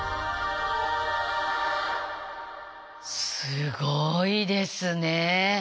すごいですね。